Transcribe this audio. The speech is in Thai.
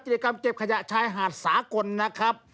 กิจกรรมเก็บขยะชายหาดสากลนะครับ